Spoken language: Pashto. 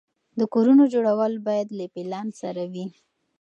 د کورونو جوړول باید له پلان سره وي.